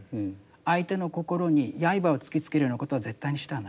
相手の心に刃を突きつけるようなことは絶対にしてはならない。